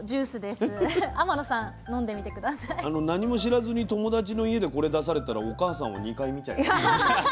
何も知らずに友達の家でこれ出されたらお母さんを２回見ちゃいます。